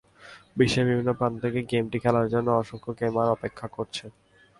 বিশ্বের বিভিন্ন প্রান্ত থেকে গেমটি খেলার জন্য অসংখ্য গেমার অপেক্ষা করছেন।